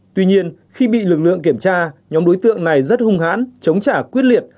tuy nhiên khi bị lực lượng kiểm tra nhóm đối tượng này rất hung hãn chống trả quyết liệt